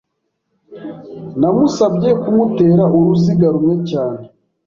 Namusabye kumutera uruziga rumwe cyane.